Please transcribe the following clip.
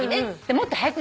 もっと早口。